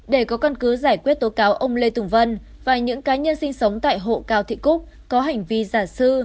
để có căn cứ giải quyết tố cáo ông lê tùng vân và những cá nhân sinh sống tại hộ cao thị cúc có hành vi giả sư